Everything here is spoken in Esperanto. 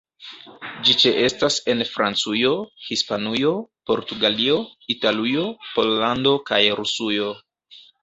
Ĝi ĉeestas en Francujo, Hispanujo, Portugalio, Italujo, Pollando kaj Rusujo.